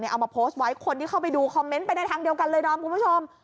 เอามาโพสต์ไว้คนที่เข้าไปดูคอมเมนต์ไปในทางเดียวกันเลยดอมคุณผู้ชม